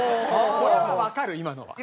これはわかる今のは。